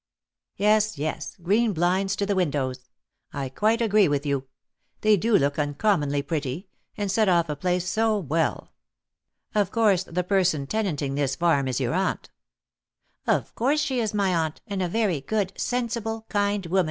"Yes, yes, green blinds to the windows. I quite agree with you, they do look uncommonly pretty, and set off a place so well! Of course, the person tenanting this farm is your aunt." "Of course she is my aunt, and a very good, sensible, kind woman, M.